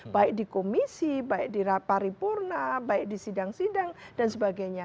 baik di komisi baik di paripurna baik di sidang sidang dan sebagainya